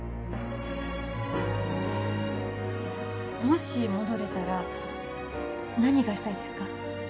もし戻れたら何がしたいですか？